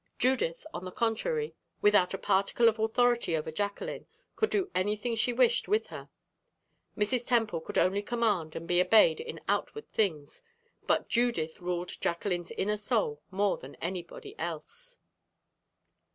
Judith, on the contrary, without a particle of authority over Jacqueline, could do anything she wished with her. Mrs. Temple could only command and be obeyed in outward things, but Judith ruled Jacqueline's inner soul more than anybody else.